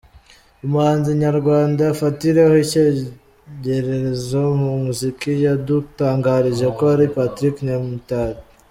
Umuhanzi nyarwanda afatiraho icyitegererezo mu muziki, yadutangarije ko ari Patrick Nyamitari.